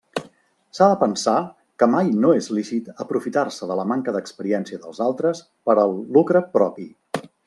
S'ha de pensar que mai no és lícit aprofitar-se de la manca d'experiència dels altres per al lucre propi.